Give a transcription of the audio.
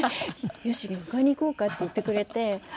「良美迎えに行こうか？」って言ってくれて。